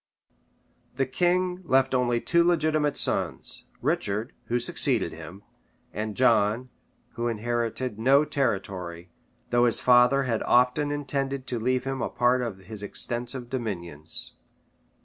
This king left only two legitimate sons, Richard, who succeeded him, and John, who inherited no territory, though his father had often intended to leave him a part of his extensive dominions.